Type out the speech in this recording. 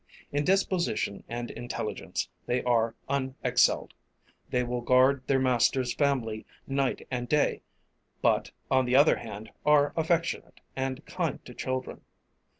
In disposition and intelligence they are unexcelled. They will guard their master's family night and day, but on the other hand are affectionate and kind to children.